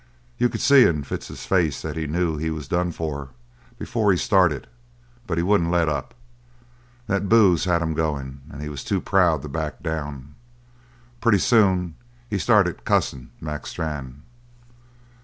You could see in Fitz's face that he knew he was done for before he started, but he wouldn't, let up. The booze had him going and he was too proud to back down. Pretty soon he started cussing Mac Strann.